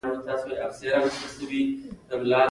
کاسای سیند په دې هېواد کې د بېلتون کرښه ده